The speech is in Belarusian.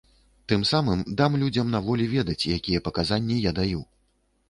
Тым самым дам людзям на волі ведаць якія паказанні я даю.